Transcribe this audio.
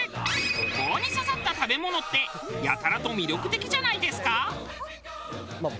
棒に刺さった食べ物ってやたらと魅力的じゃないですか？